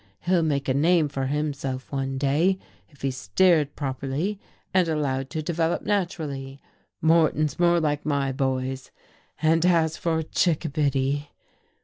He'll make a name for himself some day if he's steered properly and allowed to develop naturally. Moreton's more like my boys. And as for Chickabiddy!